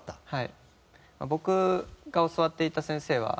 はい。